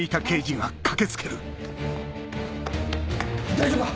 大丈夫か？